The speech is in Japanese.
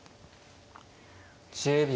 １０秒。